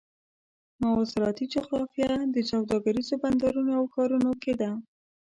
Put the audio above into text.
مواصلاتي جغرافیه د سوداګریزو بندرونو او ښارونو کې ده.